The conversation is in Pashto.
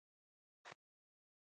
موږ د هغه د وژلو پلان جوړ کړ.